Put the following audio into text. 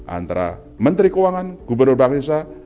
antara menteri keuangan gubernur bank indonesia